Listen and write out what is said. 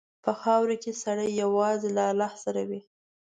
په خاوره کې سړی یوازې له الله سره وي.